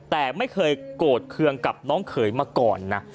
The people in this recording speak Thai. แต่ไม่เคยโกรธเคืองกับน้องเขยมาก่อนนะ